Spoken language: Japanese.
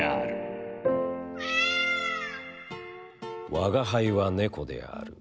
「吾輩は猫である。